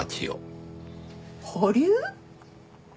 保留？